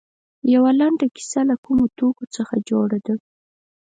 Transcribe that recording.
یوه لنډه کیسه له کومو توکو څخه جوړه ده.